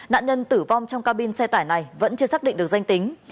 nạn nhân tử vong trong cabin xe tải này vẫn chưa xác định được danh tính